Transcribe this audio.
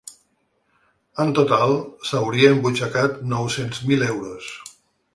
En total, s’hauria embutxacat nou-cents mil euros.